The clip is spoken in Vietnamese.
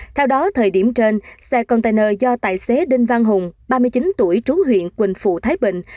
theo đó thời điểm trên xe container do tài xế đinh văn hùng ba mươi chín tuổi trú huyện quỳnh phụ thái bình